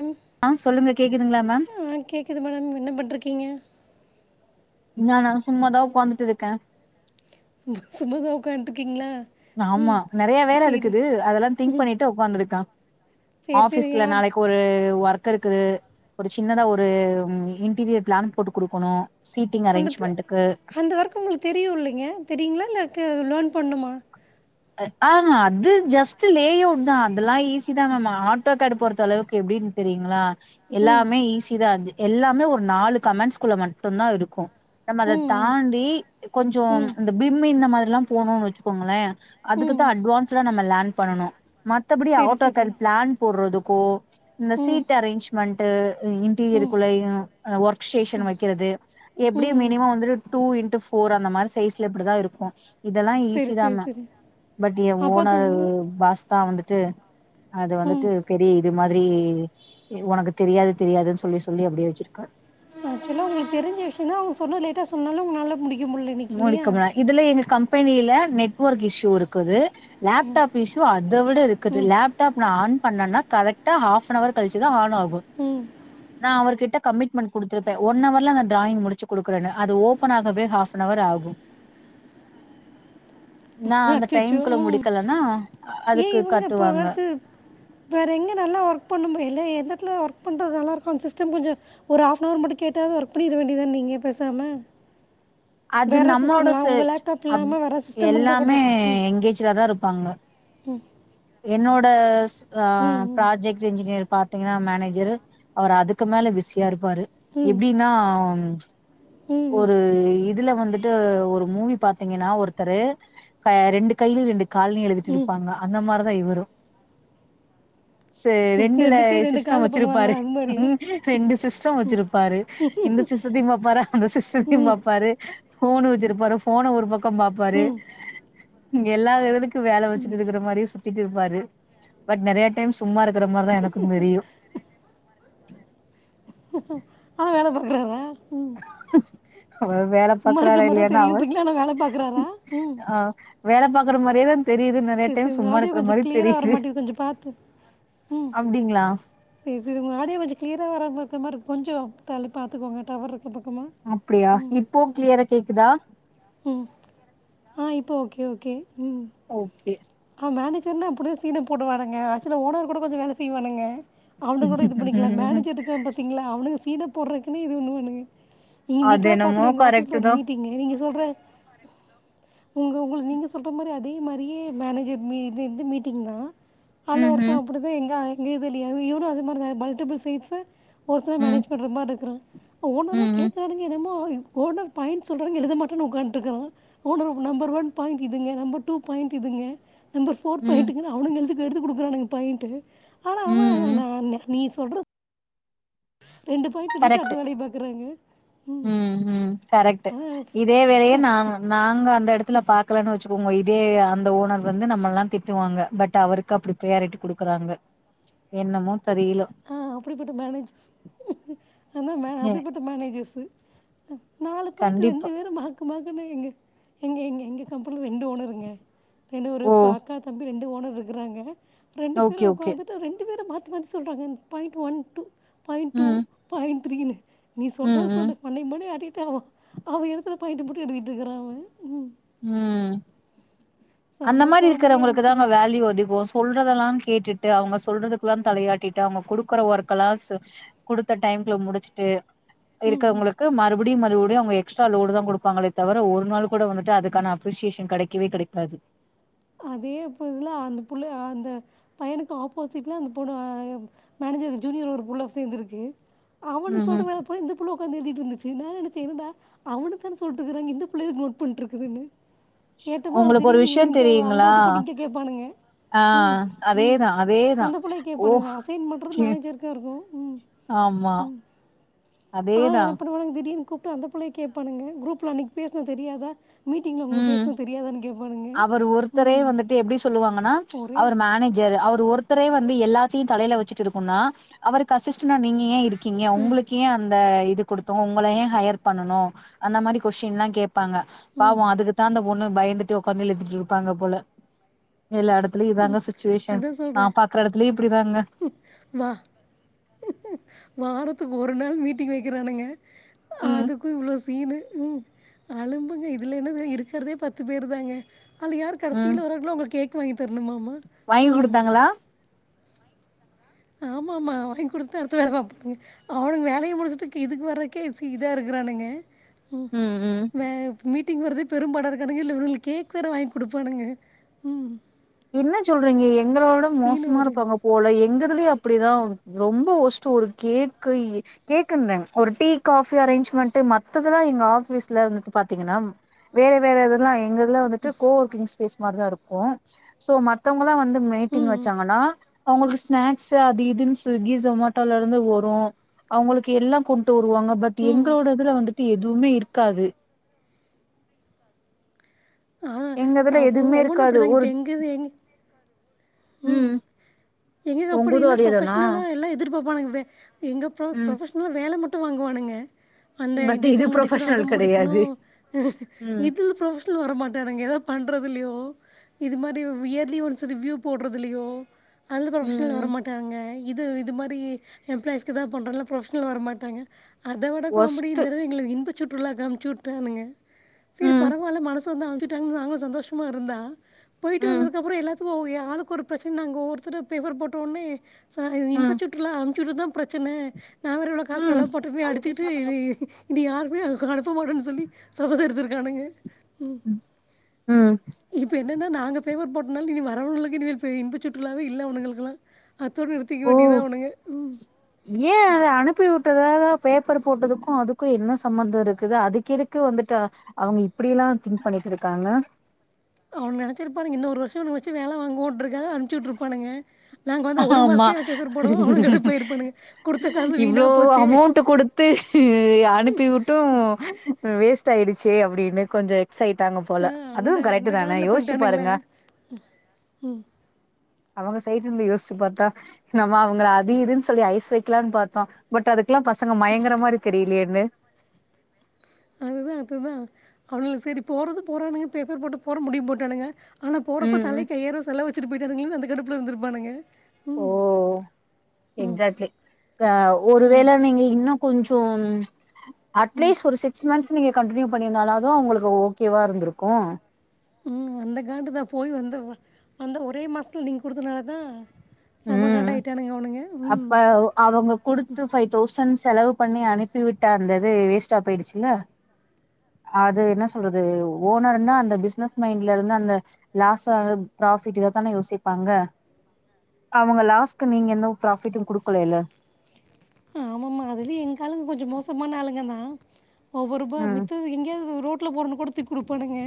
ம் ஆ சொல்லுங்க கேக்குதுங்ளா மேம் ஆ கேக்குது மேடம் என்ன பண்ட்ருக்கீங்க நானா சும்மாதா உக்காந்துட்டு இருக்க சும்மா சும்மாதா உக்கான்ருக்கீங்ளா ஆமா நறைய வேல இருக்குது அதெல்லா திங்க் பண்ணிட்டு உக்காந்துருக்க சரி சரி ஆபீஸ்ல ஆப் நாளைக் ஒரு ஒர்க் இருக்குது ஒரு சின்னதா ஒரு இன்டீரியர் ப்ளன் போட்டு குடுக்கணு சீட்டிங் அந்த பிள்ள அரேஞ்ச்மெண்ட்டுக்கு அந்த ஒர்க் உங்களுக்கு தெரியு இல்லைங்க தெரியுங்ளா இல்லக்கு லேர்ன் பண்ணுமா ஆமா அது ஜஸ்ட் லேஅவ்ட் தா அதெல்லா ஈஸி தா நம்ம ஆட்டோ காட் பொறுத்த அளவுக்கு எப்டின் சரிங்ளா ம் எல்லாமே ஈஸி தா எல்லாமே ஒரு நாலு கமெண்ட்ஸ்குள்ள மட்டுந்தா இருக்கு நம்ம அத ம் தாண்டி கொஞ்சோ ம் ம் இந்த பிம்மி இந்த மாரில்லா போணோன் வச்சுக்கோங்கள அதுக்குதா ம் அட்வான்ஸ்டா நம்ம லேன் பண்ணனு மத்தபடி சரி அவுட்டோ சரி கேட் ப்ளன் போடுறதுக்கோ இந்த ம் சீட் அரேஞ்ச்மெண்ட்டு ம் டீஜருக்குள்ளயு ஒர்க் ஸ்டேஷன் வைக்கிறது எப்டியு ம் மினிமம் வந்துட்டு டூ இன்ட் ஃபோர் அந்த மாரி சைஸ்ல இப்டிதா இருக்கு இதெல்லா சரி ஈஸி சரி தாம சரி பட் என் அப்போ அது ஓனர் உங்க- பாஸ் தா வந்துட்டு அது ம் வந்துட்டு பெரிய இது மாதிரி உனக்கு தெரியாது தெரியாதுன் சொல்லி சொல்லி அப்டியே வச்சிருக்கா எல்லா உங்ளுக்கு தெரிஞ்ச விஷயந் தா அவங்க சொன்னா லேட்டா சொன்னாலு உங்கனால முடிக் முடிக்கும இதுல எங்க கம்பெனியில நெட்ஒொர்க் இஸ்யூ இருக்குது லப்டாப் இஸ்யூ அத விட இருக்குது ம் லப்டாப் நா ஆன் பண்ணன்னா கரெக்டா ஹாஃப் அன் அவர் கழிச்சுதா ஆன் ஆகு ம் [inaudible] நா அவர் கிட்ட கமிட்மெண்ட் குடுத்துருப்பே ஒன் அவர்ல நா ட்ராயி்ங் முடிச்சு குடுக்குறன்னு அது ஓப்பன் ஆகவே ஹாஃப் நவர் ஆகு நா அந்த அச்சோ டைம்குள்ள ம் முடிக்கலன்னா அதுக்கு கத்துவாங்க வேற எங்க நல்லா ஒர்க் பண்ணுப எல்லா எந்தத்தில ஒர்க் பண்ணுறது நல்லாருக்கோ அந்த சிஸ்டம் கொஞ்சோ ஒரு ஆப்னவர் மட்டு கேட்டாவது ஒர்க் பண்ணிட வேண்டியதான நீங்க பேசாம அது நம்மளோட ச லேப்டாப் அப் இல்லாமல் வேறு சிஸ்டம் எல்லா இருந்தால் கூட மே எங்கேச்சிடாதா இருப்பாங்க ம் என்னோட ஆ ம் ப்ராஜெக்ட் இன்ஜினியர் பாத் த்தீங்னா மேனேஜரு அவரு அதுக்கு மேல பிஸியா இருப்பாரு ம் எப்டின்னா ம் ம் ஒரு இதுல வந்துட்டு ஒரு மூவி பாத்தீங்கன்னா ஒருத்தரு க ரெண்டு கையிலு ரெண்டு கால்லயு எழுதிட்டு ம் இருப்பாங்க அந்த மாரிதா இவுரு சே ம் ரெண்டுல ரெண்டுக்கே ரெண்டு சிஸ்டம் காலில் வச்சிருப்பாரு பண்ணுவாங்களா அது மாதிரி ம் ரெண்டு சிஸ்டோ வச்சிருப்பாரு இந்த சிஸ்டத்தையு பாப்பாரா சிஸ்டத்தயு ம் பாப்பாரு ஃபோனு வச்சிருப்பாரு ஃபோன ஒரு பக்கோ பாப்பாரு ம் இங்க எல்லா இதுக்கு வேல வச்சுட்டு இருக்கிற மாரியே சுத்திட்டு இருப்பாரு பட் நெறைய டைம் சும்மா இரு க்கற மாரிதா எனக்கு தெரியு ஆனா வேல பாக்றாரா அவரு வேல இருக்க பாக்றாரா மாதிரி தான் இல்லையானு அவர் தெரியுன்றீங்களா ஆனால் வேலை பார்க்குறாரா ம் அ வேல பாக்குற மாரியே தா தெரியுது நெறைய செ செ டைம் உங்க சும்மா ஆடியோ இருக்கிற கொஞ்சோ மாரி கிளியரா வர தெரியுது மாட்டேங்து கொஞ்சோ பாத்து ம் அப்டிங்களா செ செ உங்க ஆடியோ கொஞ்சோ க்ளீயரா வராமக் இக்கற மார் இருக்கு கொஞ்சோ தள்ளி பாத்துக்கோங்க டவர் இருக்ற பக்கமா அப்டியா இப்போ கிளியரா கேக்குதா ம் ஆ இப்போ ஓக்கே ஓக்கே ம் ஓக்கே ஆ மேனேஜர்னா அப்டிதா சீன போடுவானுங்க ஆக்சுவல்லா ஓனர் கூட கொஞ்சோ வேல செய்வானுங்க அவனு கூட இது பண்ணிக்லா ம் மேனேஜர் இருக்கா பாத்தீங்ளா அவனுக சீன போட்றக்குன்னே இது வண்ணுவானுக நீங்க அது இன்னைக்கு தா என்னமோ பாக்கணு எங்க கரெக்ட் ஆஃபீஸ்ல ஒரு தா மீட்டிங்கு நீங்க சொல்ற உங்க உங்களு நீங்க சொல்ற மாரி அதே மாரியே மேனேஜர் மீது இருந்து மீட்டிங் தா அதுல ம் ஒருத்த ம் அப்டிதா எங்கா எங்க இதுலயு இவனு அதே மாரிதா மல்ட்டிபிள் சைட்ஸ்சு ஒருத்தரா ம் மேனேஜ் பண்ற மாரி இருக்றா ஓனர்லா ம் ம் கேக்றானுக என்னமோ இ ஓனர் பாயிண்ட் சொல்றாங்க எழுத மாட்டேன் ஒக்காண்ட்க்றா ஓனர் நம்பர் ஒன் பாயிண்ட் இதுங்க நம்பர் டூ பாயிண் இதுங்க நம்பர் ஃபோர் ம் பாயிண்ட்டுனுங்க அவுனுங்க எழ்து எடுத்து குடுக்குறானுங்க பாயிண்ட்டு ஆனா அவ ம் ம் நா நீ சொல்ற ரெண்டு கரெக்ட்டு ம் ம் கரெக்ட்டு இதே வேலைய நா அதான் நாங்க அந்த எடத்துல பாக்கலனு வ ச்கோங்க இதே அந்த ஓனர் வந்து நம்ம எல்லா திட்டுவாங்க பட் அவருக்கு அப்படி ப்ரியாரிட்டி குடுக்கறாங்க என்னமோ தெரியல ஆ அப்படிப்பட்ட மேனேஜர்ஸ் அனா மே ஏ அப்படிப்பட்ட மேனேஜர்ஸு நாலு பாயிண்ட் ரெண்டு கண்டிப்பா பேரு மா க்கு மாக்குனு எங்க எங்க எங்க கம்பெனில ரெண்டு ஓனருங்க ரெண்டு ஒரு ஓ ப அக்கா தம்பி ரெண் டு ஓனர் இருக்றாங்க ரெண்டு பேரு ஓகே ஓகே ஒக்காந்துட்டு ரெண்டு பேரு மாத் தி த்தி மாரி சொல்றாங்க இந் point one, two point two, ம் பாயிண்ட் த்ரீனு நீ ம் சொல்றத சொல்லு மண்டய மண்டைய ஆட்டிகிட்டு அவ அவ எழுதற பாயிண்ட்டு மட்டு எழுதிட்ருக்றா அவ ம் ம் அந்த செம மாரி காமெடியாக இருக்கிறவங்களுக்கு தாங்க இருந்துச்சுங்க வேல்யூ அதிகோ சொல்றதெல்லா கேட்டுட்டு அவுங்க சொல்றதுக்குல்லா தலையாட்டிட்டு அவுங்க குடுக்கற ஒர்க்கலா குடுத்த டைம்குள்ள முடிச்சுட்டு ம் ம் இருக்கவங்களுக்கு மறு படியு மறுபடியு அவுங்க எக்ஸ்ட்ரா லோடு தா குடுப்பாங்ளே தவிர ஒரு நாள் கூட வந்துட்டு அதுக்கான அப்ரிசிஸேஷன் கெடைக்கவே கெடைக்காது அதேப்ப இதுல அந்த புள்ள அந்த பையனுக்கு ஆப்போசிட்ல அந்த பொண மேனேஜர்க் ஜூனியர் ஒரு புள்ள சேந்துருக்கு அவுனுக் ம் சொல்ற ம் வேல பூரா இந்த புள்ள ஒக்காந்து எழ்திட்ருந்துச்சு நா நெனச்சே என்னடா அவனுக் தான சொல்ட்டுக்றாங்க இந்த புள்ள எதுக்கு நோட் பண்ட்டு இருக்குதுனு உங்களுக்கு ஒரு விஷயோ தெரியு அங்க வுட்டு போட்டு இங்க கேப்பானுங்க ம் ம் அதேதா அதேதா அந்தபுள்ளய கேப்பானுங்க அசைன் பண்றது ஓகே மேனேஜருக்கா இருக்கு ம் ஆமா அதேதா பாருங்க திடீர்னு கூப்ட்டு அந்த பிள்ளைய கேப்பானுங்க குரூப்ல அன்னக்கு பேசுனோ தெரியாதா மீட்டிங்ல உங்க ம் பேசுனோ தெரியாதான்னு கேப்பானுங்க அவர் ஒருத்தரே வந்துட்டு எப்டி சொல்லுவாங்கன்னா ஒரே அவர் மேனேஜ் ர் அவர் ஒருத்தரே வந்து எல்லாத்தையு தலையில வச்சிட்டு இருக்கனுன்னா அவருக்கு அசிஸ்டண்டா நீங்க ஏ இருக் கீங்க உங்களுக் கு ஏ அந்த இது குடுத்தோ உங்கள ஏ ஹையர் பண்ணுனோ அந்த மாதிரி கொஸ்டின்ல்லா கேப்பாங்க ம் பாவோ அதுக்குத்தா அந்த பொண்ணு பயந்துட்டு ஒக்காந்து எழுத்தீட்டு இருப்பாங்க போல எல்லா இடத்துலயு இதாங்க சுச்சுவேஷன் அதான் நா சொல்கிறேன் பாக்குற எடத்துலயு இப்டிதாங்க வா வாரத்துக்கு ஒரு நாள் மீட்டிங் வக்கிறானுங்க ம் அதுக்கு இவ்ளோ சீனு ம் அலும்புங்க இதுல என்னத இருக்றதே பத்து பேரு தாங்க அதுல யாரு ம் கடசில வராங்களோ அவங்கள கேக் வாங்கி தரணுமாமா வாங்கி குடுத்தாங்களா ஆமா ஆமா வாங்கி குடுத்துதா அடுத்த வேலை பாப்பாங்க அவனுங்க வேலைய முடிச்சதுக்கு இதுக்கு வர்றக்கே இதா இருக்குறானுங்க ம் வே மீட் டிங் வர்றதே பெரும்பாடா இருக்கானுங்க இதுல இவனுங்களுக்கு கேக் வேற வாங்கி குடுப்பானுங்க ம் என்ன சொல்றீங்க எங்களோட சீனு மோசமா ஒரு இருப்பாங்க போல எங்கதுலயு அப்டிதா ரொம்ப வொர்ஸ்ட் ஒரு கேக்கு கேக்குன்னே ஒரு டீ காபி அரேஞ்ச்மெட்டு மத்ததெல்லா எங்க ஆபீஸ்ல வந்துட்டு பாத்தீங்கன்னா வேற வேற இதெல்லா எங்க இதுல வந்துட்டு கோ ஒர்க்கிங் ஸ்பேஸ் மாரிதா இருக்கு சோ மத்தவங்கல்லா வந்து மீட்டிங் ம் வச்சாங்கன்னா அவுங்களுக்கு ஸ்நாக்ஸ் அது இதுன்னு ஸ்விக்கி ஜொமேட்டோல இருந்து வரு அவுங்களுக்கு எல்லா கொண் டு வருவாங்க பட் ம் ம் எங்களோட இதுல வந்துட்டு எதுவுமே இருக்காது ஆ எங்க இதுல அ எதுவுமே ஒவ்வொன்னு இருக்காது அப்டிதாங்க ஒரு இப்ப எங்கது எங்க ம் எங்களுக்கு அப்டி உங்குது இல்ல அதேதானா ப்ரொபஷ்னலாக எல்லா எதிர்பாப்பானுங்க வே எங்க ப்ர ம் ப்ரொபஷனலாக வேல மட்டு வாங்குவானுங்க அந்த பட் இது இது முடிக்கணு அது ப்ரொஃபஷனல் முடிக்கணு கெடையாது ம் இதுல ப்ரொபஷனல் வரமாட் டானுங்க எதாது பண்றதுலயோ இது மாரி இயர்லி ஒன்ஸ் ரிவியூ போட்றதுலையோ அதுல ப்ரொபஷனலா ம் வர மாட்டானுங்க இது இது மாரி எம்பிலாய்ஸ்க்கு தா பண்றோல்லா ப்ரொஃபஷனல வர மாட்டாங்க அத விட காமெடி ஒஸ்ட்டு இந்த தடவ எங்கள இன்ப சுற்றுலாக்கு அம்ச்சிவுட்டானுங்க செரி ம் பரவாயில்ல மனசு வந்து அம்ச்சிட்டாங்கன்னு நாங்களு சந்தோஷமா இருந்தா போயிட்டு ம் வந்ததுக்கு அப்பறோ எல்லாத்துக் கு ஏ ஆளுக்கு ஒரு பிரச்சன நாங்க ஒவ்வொருதரு பேப்பர் போட்ட உடனே ச ம் இன்பச் சுற்றுலா அனுப்பி விட்டதுதா பிரச்சன நான் வேற இவ்ளோ காசு ம் எல்லா போட்டமே அடுத்துக்கிட்டு இது இனி யாரக்குமே அவுங்க அனுப்ப மாட்டோன்னு சொல்லி சபதோ எடுத்துருக்கானுங்க ம் ம் இப்ப என்னென்னா நாங்க பேப்பர் போட்டனால இனி வரவங்களுக்கு இனிமேல் இன்பச் சுற்றுலாவே இல்ல அவனுங்களுக்குல்லா அத்தோட நிறத்திக்க ஓ வேண்டியதா அவனுங்க ம் ஏ அத அனுப்பி விட்டதால பேப்பர் போட்டதுக்கு அதுக்கு என்ன சம்பந்தோ இருக்குது அதுக்கு எதுக்கு வந்துட்டு அவங்க இப்டி எல்லா திங்க் பண்ணிட்டு இருக்காங்க அவனு நெனைச்சிருப்பானுங்க இன்ன ஒருர வருஷ இவன வச்சு வேல வாங்கோன்றக்க அனுப்பச்சுட்டுருப்பானுங்க நாங்க வந்து ஒரு ஆமா மாசத்துயே பேப்பர் போடுவோ அவனு கடுப்பாயிருப்பானுங்க குடுத்த காசு வீணா இவ்ளோ போச்சே அமௌண்ட் குடுத்து அனுப்பி விட்டு வேஸ்ட் ஆயிடுச்சே அப்டின்னு கொஞ்ச வெக்ஸ் ஆயிட்டாங்க போல ஆ அதுவு அந்த கரெட்டு அந்த தானே காண்டில் யோசிச்சு பண்ணிட்டானுங்களே பாருங்க ம் அவங்க சைட் இருந்து யோசிச்சு பாத்தா நம்ம அவங்கள அது இதுன்னு சொல்லி ஐஸ் வைக்கலாம்னு பாத்தோ பட் அதுக்லா பசங்க மயங்கற மாரி தெரிலையேன்னு அதுதா அதுதா அவள இல்ல சரி போறதது போறானுங்க பேப்பர் போட்டு போற முடிய போட்டானுங்க ஆனா போறப்ப தலைக்கை யாயருவா செல வச்சுட்டு போயிட்டானுங்கன்னு அந்த கடுப்புல இருந்துர்ப்பானுங்க ஓ எக்சாக்ட்லி ம் ஒருவேள நீங்க இன்னு கொஞ்ச ம் அட்லீஸ்ட் ஒரு சிக் ஸ் மன்த்ஸ் நீங்க கண்டடிினியூ பண்ணியிருந்தாலது உங்களுக்கு ஓகேவாக இருந்துருக்கு ம் அந்த காண்டுதா போய் வந்த அந்த ஒரே மாசத்துல நீங்க குடுத்தனாலதா செம்ப ம் கான்டாயிட்டானுங்க அவனுங்க ம் அப்ப அவங்க குடுத்து ஃபைவ் தௌசண்ட் செலவு பண்ணி அனுப்பிவிட்டா அந்தது வேஸ்ட்ட ஆ போயிடுச்சுல அது என்ன சொல்றது ஓனர்ருனா அந்த பிசினஸ் மைண்ட்ல இருந்து அந்த லாஸ் ப்ராஃபிட் இதத்தானே யோசிப்பாங்க அவங்க லாஸ்க்கு நீங்க எந்த ப்ராஃபிட்டு குடுக்கல இல்ல ஆமாமா அதுலய எங்க ஆளுங்கதா கொஞ்ச மோசமான ஆளுங்கதா ஒவ்வொருபா ம் மித்தது எங்கேயாவது ரோட் ல போரனுக் தூக்கி குடுப்பானுங்க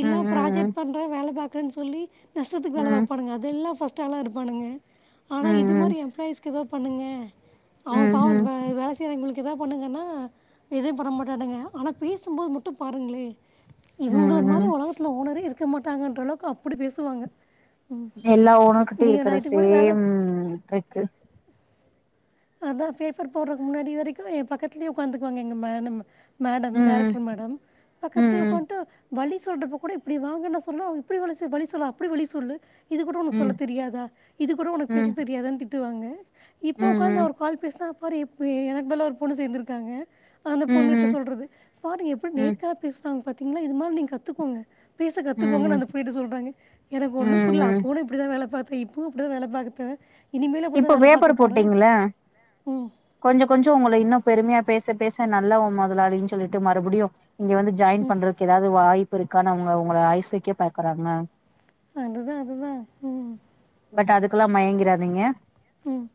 இல்ல ம் ம் ப்ராஜெக்ட் பண்ற வேலை பாக்ரேன்னு சொல்லி நஷ்டத்துக்கு வேலை ம் வைப்பானங்க அதெல்ல பர்ஸ்ட் ஆனா இருப்பானுங்க ஆனா ம் இது ம் மாரி எம்ப்ளாயிஸ்க ஏதா பண்ணுங்க அவ ம் பாவ ம் வேல எங்களுக்கு எதாவ பண்ணுங்கன்னா எது பண்ண மாட்டானுங்க ஆனா பேசும்போது மட்டு பாருங்ளே ம் இவங்ள ம் மாரி ம் ஒலகத்துல ஓனரே இருக்க மாட்டாங்கன்ற அளவுக்கு அப்டி பேசுவாங்க எல்லா ஓனர் கிட்டயு நீங்க இருக்ர நான் இதுக்கு முன்னாடி வேலை சேம் ட்ரிக்கு அதா பேப்பர் போடுறதுக்கு முன்னாடி வரைக்கு எ பக்கத்துலேயே உக்காந்துக்குவாங்க எங்க மேடமு மேடம் ம் டேரக்ட்ரு மேடம் ம் பக்கத்லே ம் உக்காண்டு வழி சொல்றப்ப கூட இப்டி வாங்க நா சொல்லுவே இப்டி வழி சொல்லா அப்டி வழி சொல்லு இது கூட உனக்கு சொல்ல ம் தெரியாதா இது கூட உனக்கு ம் ம் பேச தெரியாதுன் திட்டுவாங்க இப்ப ஒக்காந்து ம் ம் அவர் கால் பே றா பாரு இப்ப எனக்கு பதுலா ஒரு பொண்ணு சேந்திருக்காங்க அந்த பொண்ணுட்ட ம் ம் சொல்றது பாரு எப்டி ம் நேக்கா பேசுறாங்க பாத்தீங்கன்னா இது மாரி நீங்க கத்துக்கோங்க பேச ம் கத்துக்கோங்கன்னு ம் அந்த புள்ளைட்ட சொல்றாங்க எனக்கு ஒண்ணு ம் புரில ம் போன அப்டிதா வேல பாத்தே இப்பவு அப்டிதா வேல பாக்குத்தே இனிமேலு அப்டிதா இப்போ வேல பேப்பர் பாக்க போறே போட்டீங்கல்ல கொஞ்ச கொஞ்ச ஒங்கள இன்னு பெருமையா பேச பேச நல்லவ மொதலாளின்னு சொல்லிட்டு மறுபடியு இங்க வந்து ஜாயின் ம் பண்றக்கு ஏதாவது வாய்ப்பு இருக்கான்னு அவங்க உங்கள ஐஸ் வக்க பாக்குறாங்க அதுதா அதுதா ம் பட் அதுக்குலா மயங்கிறாதீங்க ம்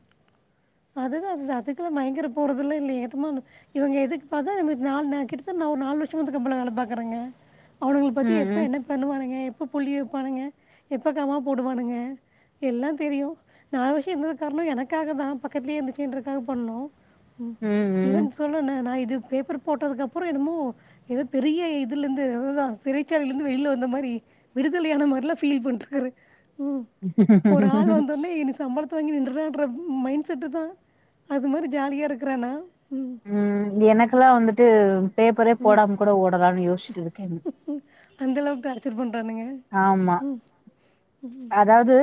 அதுதா அதுதா அதுக்குல்லா மயங்கர போறதுலா இல்லயே ஏட்டமா இவங்க எதுக்கு பாத்தா நாள் கிட்டத்த நா ஒரு நாலு வருஷ அந்த கம்பனில வேல பாக்குறேங்க அவனுங்கள பத்தி ம் எப்போ ம் என்ன பண்ணுவானுங்க எப்போ புள்ளி வைப்பானுங்க எப்போ கமா போடுவானுங்க எல்லா தெரியு நா வருஷ இருந்தது காரண எனக்காகதா பக்கத்துலயே இருந்துச்சுன்றக்காக பண்ணோ ம் ஈவன் சொல்னுல்ல நா இது பேப்பர் போட்டதுக்கப்புற என்னமோ ஏதோ பெரிய இதுலேருந்து அததா சிறைச்சாலையில இருந்து வெளில வந்த மாரி விடுதலையான மாரில்லா ஃபீல் பண்டுக்றாரு உ ஒரு ஆள் வந்தோன்னே என்ன சம்பளத் த வாங்கி நினன்றற மைண்ட செட்டு தா அது மாரி ஜாலியா இருக்கிறோனா ம் எனக்கெல்லா வந்துட்டு பேப்பரே போடாம கூட ஓடலான்னு யோசிச்சிட்டு இருக்கே அந்த அளவுக்கு டார்ச்சர் பண்ணுறானுங்க ஆமா ம் அதாவது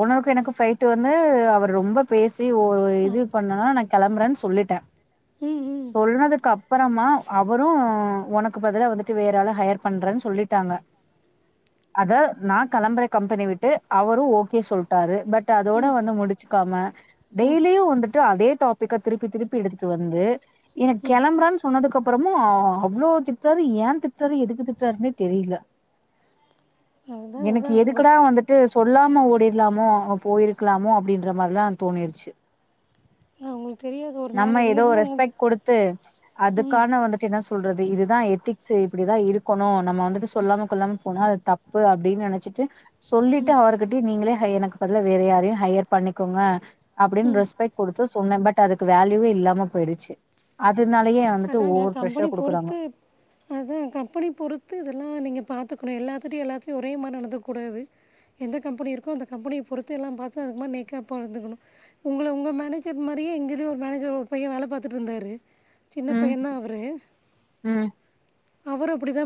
ஓனருக்கு எனக்கு ஃபயிட் வந்து அவ ரொம்ப பேசி ஒரு ஆ. இது பண்ணனா நா கெளம்புறன் சொல்லிட்டே ம் ம் சொல்னதுக்கப் அப்பறமா அவரு உனக்கு பதிலா வந்துட்டு வேற ஆள ஹையர் பண்றன்னு சொல்லிட்டாங்க அத நா கெளம்புற கம்பெனி விட்டு அவரு ஓகே சொல் டாரு பட் அதோட வந்து முடிச்சுக்காம டெய்லியு வந்துட்டு அதே டாப் ப்பிக்க திருப்பி திருப்பி எடுத்துட்டு வந்து எனக்கு கெளம்புறன் சொன்னதுக்கப் கப்புறமு அவ்ளோ திட்ராரு ஏ திட்ராரு எதுக்கு திட்ராருன்னே தெரில அதுதான் எனக்கு அதுதான் உங்கள் எதுக்குடா வந்து ட்டு சொல்லாம ஓடிர்லாமோ போயிருக்கலாமோ அப்டின்ற மாரிலா தோணிர்ச்சு உங்களுக்கு தெரியாது ஒரு நம்ம மேடம் எங்கே ஏதோ இருந்தால் உங்கள் ரெஸ்பெக்ட் குடுத்து ம் அதுக்கான வந்துட்டு என்ன சொ சொல்றது இதுதா எதிக்ஸ்சு இப்பிடிதா இருக்கணு நம்ம வந்துட்டு சொல்லாம கொல்லாம போனா அது தப்பு அப்டின்னு நெனச்சிட்டு சொல்லிட்டு அவரு [unintelligible] நீங்களே எனக்கு பதிலா வேற யாரையு ஹையர் பண்ணிக்கோங்க அப்டின் ரெஸ் பெக்ட் குடுத்து சொன்னே பட் அதுக்கு வேல்யூவே இல்லாம போயிடுச்சு அதுனாலயே வந்துட்டு ஓவர் ஃப்ரஷார் குடுக்குறாங்க அதா கம்பெனி பொறுத்து இதெல்லா நீங்க பாத்துக்கணு எல்லாத்துட்டையு எல்லாத்துட்டயு ஒரே மாரி நடந்துக்க கூடாது எந்த கம்பெனி இருக்கோ அந்த கம்பெய பொறுத்து எல்லா பாத்து அதுக்கு மாரி நேக்கா பாத்துக்கணு உங்கள உங்க மேனேஜர் மாரியே எங்கதுலயு ஒரு மேனேஜர் ஒரு பைய வேல பாத்துட்டு இருந்தாரு ம் சின்னப்பையன் தா அவரு ம் அவரு அப்டி தா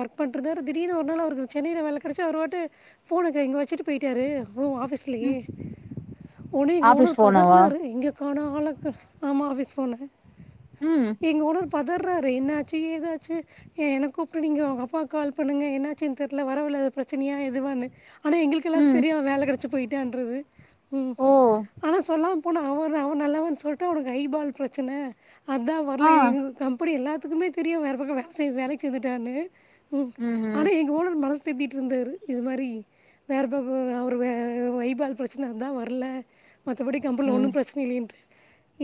ஒர்க் பண்ணிட்ருந்தாரு திடீர்னு ஒரு நாள் அவருக்கு சென்னையில வேல கெடச்சி அவரு பாட்டு ஃபோனுக்கு இங்க வெச்சிட்டு பேயிட்டாரு ஓ ஃஆபிஸ் லயே ம் ஒடனே எங்க ஆஃபீஸ் ஓனர் போனவா பதருனாறு எங்க கானோ ஆளக்கா ஆமா ஆஃபீஸ் ஃபோன ம் எங்க ஓனர் பதர்றாரு என்னாச்சு ஏதாச்சு ஏ எனக்கு கூப்டு நீங்க அவங்க அப்பாக்கு கால் பண்ணுங்க என்னாச்சுன் தெர்ல வரவழில எதாவது பிரச்சனையா எதுவான்னு ஆனா எங்களுக்கு எல்லாத்துக்கு ம் தெரியு அவ வேல கெடச்சி போய்ட்டான்றது ஓ ஆனா சொல்லா போனா அவ அவ நல்லவன்னு சொல்ட்டு அவனுக்கு ஐபால் பிரச்சன அதா ஆ இல்ல ஏ எங்க கம்பெனி எல்லாத்துக்குமே தெரியு அவ வேற பக்க வேல வேலைக்கு சேந்துட்டான்னு ம் ம் ஆனா எங்க ஓனர் மனசு தேத்திட்டு இருந்தாரு இது மாரி வேற பக்கோ அவரு ஃவைப் ஆல பிரச்சன்னு தா வர்ல மத்தபடி கம்பெனில ம் ஒன்னு பிரச்சன இல்லின்டாங்க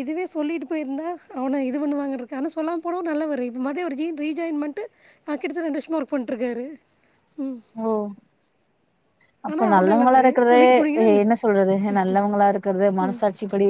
இதுவே சொல்லிட்டு போயிருந்தா அவன இது பண்ணுவாங்கன்ருக்கு ஆனா சொல்லாம போனவரு நல்லவரு இது மாரி அவரு ரீ ஜாயின் பண்ட்டு ஆ கிட்ட தட்ஞ ரெண்டு வருஷமா ஒர்க் பண்ணிட்ருக்காரு ஓ அப்ப ஆனால் அவர் நல்லவங்களா நல்லவர் இருக்கறதே சொல்லிட்டு என்ன போனீங்கன்னா சொல்றது நல்லவங்களா இருக்கிறது மனசாட்சி படி